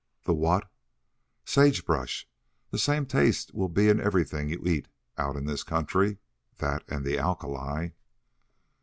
"The what?" "Sage brush. The same taste will be in everything you eat out in this country that and the alkali."